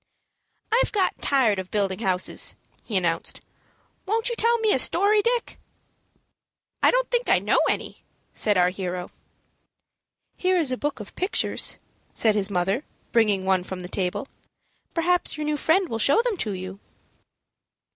"I've got tired of building houses," he announced, "Won't you tell me a story, Dick?" "I don't think I know any," said our hero. "Here is a book of pictures," said his mother, bringing one from the table. "Perhaps your new friend will show them to you."